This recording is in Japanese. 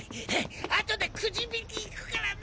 あとでクジ引き行くからな。